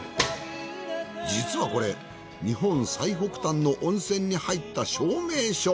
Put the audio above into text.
実はこれ日本最北端の温泉に入った証明書。